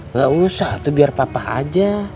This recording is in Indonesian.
nggak usah tuh biar papa aja